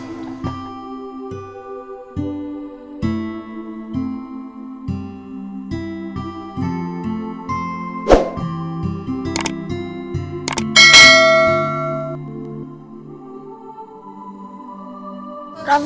apakah ibu ranti bakalan ke kampus ini